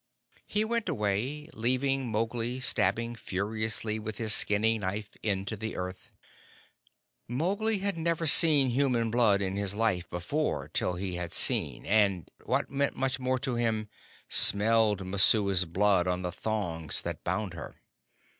He went away, leaving Mowgli stabbing furiously with his skinning knife into the earth. Mowgli had never seen human blood in his life before till he had seen, and what meant much more to him smelled Messua's blood on the thongs that bound her.